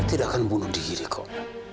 saya tidak akan bunuh diri pak